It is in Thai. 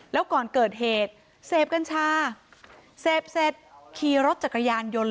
แล้วก่อนเกิดเหตุเสพกัญชาเสพเสร็จขี่รถจักรยานยนต์